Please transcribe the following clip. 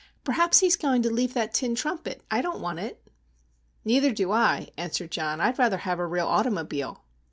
"Perhaps he's going to leave that tin trumpet. I don't want it." "Neither do I," answered John. "I'd rather have a real automobile."